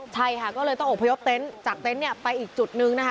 ใช่ค่ะก็เลยต้องอบพยพเต็นต์จากเต็นต์ไปอีกจุดนึงนะคะ